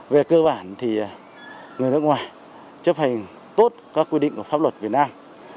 về cơ bản thì người nước ngoài chấp hành tốt các quy định của pháp luật việt nam